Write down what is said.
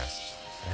え？